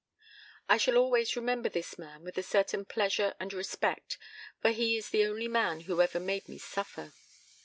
"I shall always remember this man with a certain pleasure and respect, for he is the only man who ever made me suffer.